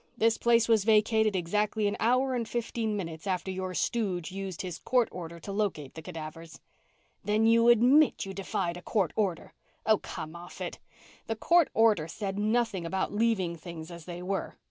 This place was vacated exactly an hour and fifteen minutes after your stooge used his court order to locate the cadavers." "Then you admit you defied a court order " "Oh, come off of it. The court order said nothing about leaving things as they were.